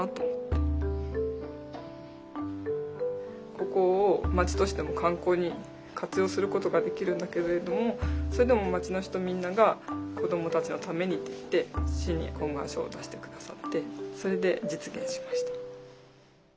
ここを町としても観光に活用することができるんだけれどもそれでも町の人みんなが「子どもたちのために」って言って市に懇願書を出して下さってそれで実現しました。